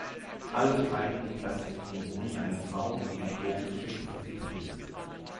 Alle Beteiligten treffen sich in der Wohnung einer Frau, die in Drogengeschäfte verwickelt ist.